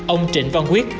ông trịnh văn quyết